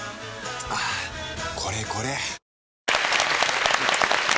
はぁこれこれ！